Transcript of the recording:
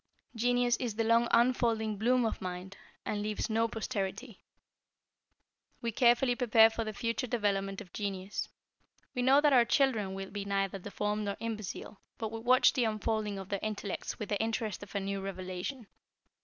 Genius is the long unfolding bloom of mind, and leaves no posterity. We carefully prepare for the future development of Genius. We know that our children will be neither deformed nor imbecile, but we watch the unfolding of their intellects with the interest of a new revelation.